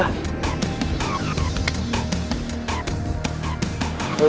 nurut sama gue